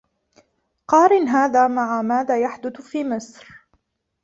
قارِنْ هذا مع ماذا يحدث في مصر.